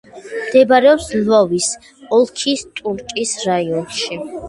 მდებარეობს ლვოვის ოლქის ტურკის რაიონში.